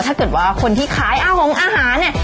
ถ้าเกิดว่าคนที่ขายแอลฟ์ของอาหารเนี่ย